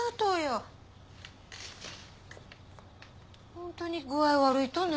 ほんとに具合悪いとね？